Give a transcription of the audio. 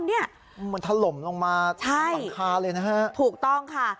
มันถล่มลงมาหลังคาเลยนะฮะใช่ถูกต้องค่ะ